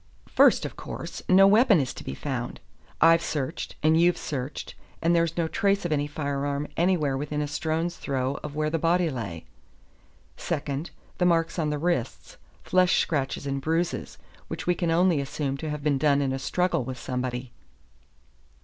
"First, of course, no weapon is to be found. I've searched, and you've searched, and there's no trace of any firearm anywhere within a stone's throw of where the body lay. Second, the marks on the wrists, flesh scratches and bruises, which we can only assume to have been done in a struggle with somebody.